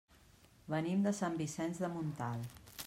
Venim de Sant Vicenç de Montalt.